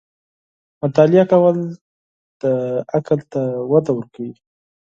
• مطالعه کول، د عقل ته وده ورکوي.